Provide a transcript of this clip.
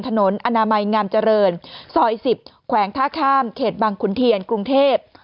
อนามัยงามเจริญซอย๑๐แขวงท่าข้ามเขตบังขุนเทียนกรุงเทพ